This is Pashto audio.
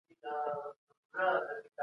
بهرنۍ پالیسي د اړیکو پراختیا نه محدودوي.